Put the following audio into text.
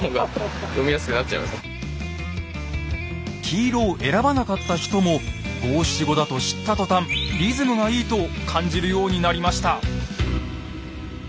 黄色を選ばなかった人も５７５だと知った途端リズムがいいと感じるようになりました。